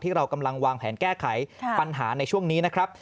เรากำลังวางแผนแก้ไขปัญหาในช่วงนี้นะครับ